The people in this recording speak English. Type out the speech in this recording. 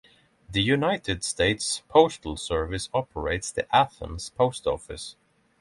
The United States Postal Service operates the Athens Post Office.